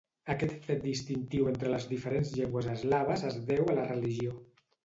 Aquest fet distintiu entre les diferents llengües eslaves es deu a la religió.